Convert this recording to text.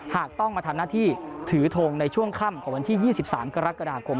หากต้องมาทำหน้าที่ถือทงในช่วงค่ำของวันที่๒๓กรกฎาคม